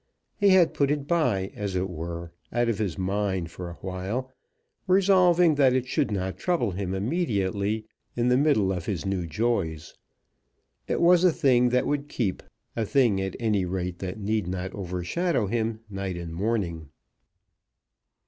He had put it by, as it were, out of his mind for awhile, resolving that it should not trouble him immediately, in the middle of his new joys. It was a thing that would keep, a thing, at any rate, that need not overshadow him night and morning.